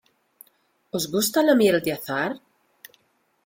¿Os gusta la miel de azahar?